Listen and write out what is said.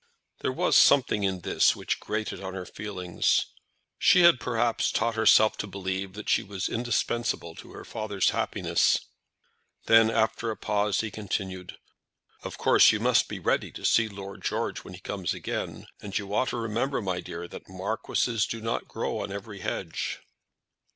There was something in this which grated on her feelings. She had, perhaps, taught herself to believe that she was indispensable to her father's happiness. Then after a pause he continued: "Of course you must be ready to see Lord George when he comes again, and you ought to remember, my dear, that marquises do not grow on every hedge."